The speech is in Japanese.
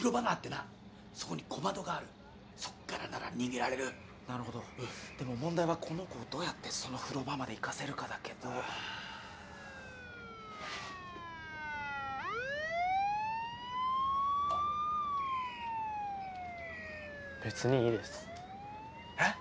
そこに小窓があるそっからなら逃げられるなるほどでも問題はこの子をどうやってその風呂場まで行かせるかだけど・・別にいいですえっ？